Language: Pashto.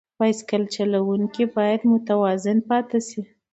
بایسکل چلوونکی باید متوازن پاتې شي.